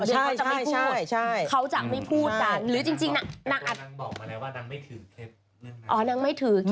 อ๋อนางไม่ถือแคบ